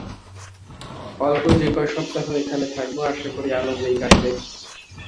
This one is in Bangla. অল্প যে কয় সপ্তাহ এখানে থাকব, আশা করি আনন্দেই কাটবে।